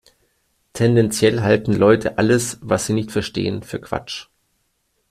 Tendenziell halten Leute alles, was sie nicht verstehen, für Quatsch.